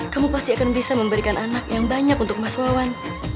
kamu pasti akan bisa memberikan anak yang banyak untuk mas wawan